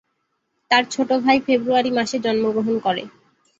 তার ছোট ভাই ফেব্রুয়ারি মাসে জন্মগ্রহণ করে।